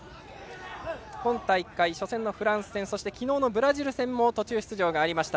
今大会、初戦のフランス戦そして昨日のブラジル戦も途中出場がありました